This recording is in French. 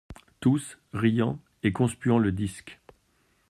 Tous, riant et conspuant le disque.